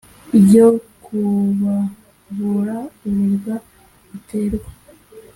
Ryo kubavura urubwa baterwa